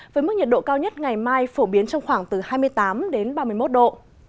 với mức nhiệt độ cao nhất ngày mai phổ biến trong khoảng từ hai mươi tám đến ba mươi một độ